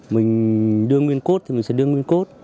mình đưa nguyên cốt thì mình sẽ đưa nguyên cốt